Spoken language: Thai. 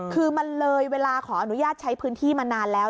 คือมันเลยเวลาขออนุญาตใช้พื้นที่มานานแล้ว